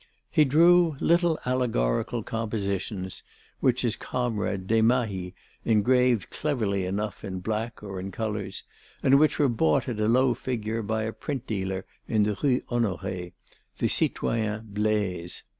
He drew little allegorical compositions which his comrade Desmahis engraved cleverly enough in black or in colours and which were bought at a low figure by a print dealer in the Rue Honoré, the citoyen Blaise.